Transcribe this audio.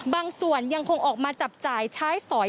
บางส่วนยังคงออกมาจับจ่ายใช้สอย